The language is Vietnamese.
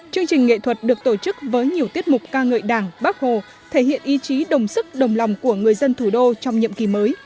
chương trình nghệ thuật được tổ chức với nhiều tiết mục ca ngợi đảng bác hồ thể hiện ý chí đồng sức đồng lòng của người dân thủ đô trong nhiệm kỳ mới